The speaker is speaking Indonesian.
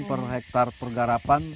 per hektar pergarapan